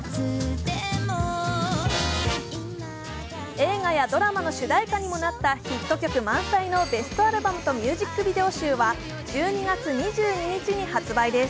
映画やドラマの主題歌にもなったヒット曲満載のベストアルバムとミュージックビデオ集は１２月２２日に発売です。